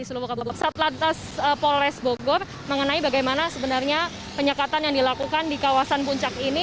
saat lantas polres bogor mengenai bagaimana sebenarnya penyekatan yang dilakukan di kawasan puncak ini